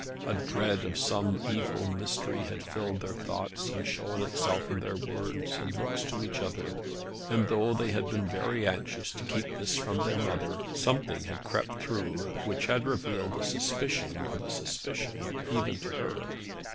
A dread of some evil mystery had filled their thoughts, and shown itself in their words and looks to each other. And, though they had been very anxious to keep this from their mother, something had crept through which had revealed a suspicion of the suspicion even to her.